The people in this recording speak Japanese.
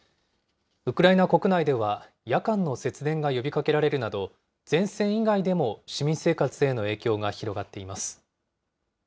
ウクライナ国内では、夜間の節電が呼びかけられるなど、前線以外でも市民生活への影響が広がっています。